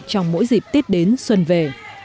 trong mỗi dịp tiết đến xuân về